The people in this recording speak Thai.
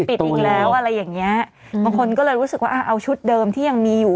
ปิดอีกแล้วอะไรอย่างเงี้ยบางคนก็เลยรู้สึกว่าอ่าเอาชุดเดิมที่ยังมีอยู่